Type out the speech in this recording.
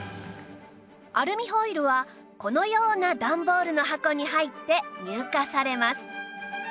アルミホイルはこのような段ボールの箱に入って入荷されます